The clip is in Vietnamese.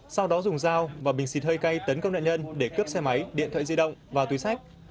sau đó dùng dao và bình xịt hơi cay tấn công nạn nhân để cướp xe máy điện thoại di động và túi sách